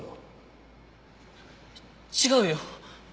違うよ。